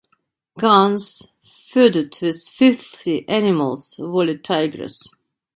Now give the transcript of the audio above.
Gunns feuded with the Filthy Animals' valet Tygress.